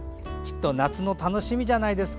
夏の楽しみじゃないですか